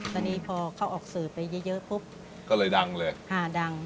ตอนนี้พอเขาออกสื่อไปเยอะเยอะปุ๊บก็เลยดังเลยห้าดัง